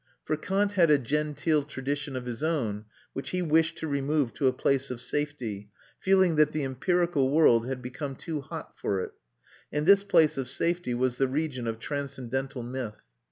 For Kant had a genteel tradition of his own, which he wished to remove to a place of safety, feeling that the empirical world had become too hot for it; and this place of safety was the region of transcendental myth.